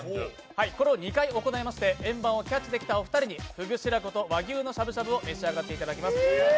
これを２回行いまして円盤をキャッチできたお二人にフグ白子と和牛のしゃぶしゃぶを召し上がっていただきます。